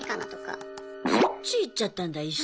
そっち行っちゃったんだ意識。